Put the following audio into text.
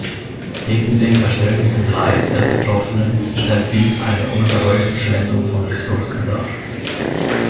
Neben dem persönlichen Leid der Betroffenen stellt dies eine ungeheure Verschwendung von Ressourcen dar.